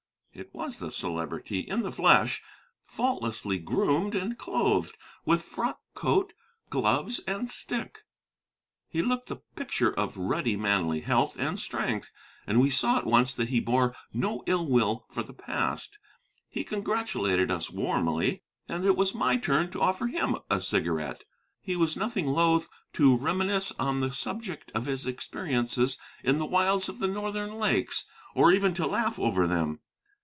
It was the Celebrity, in the flesh, faultlessly groomed and clothed, with frock coat, gloves, and stick. He looked the picture of ruddy, manly health and strength, and we saw at once that he bore no ill will for the past. He congratulated us warmly, and it was my turn to offer him a cigarette. He was nothing loath to reminisce on the subject of his experiences in the wilds of the northern lakes, or even to laugh over them.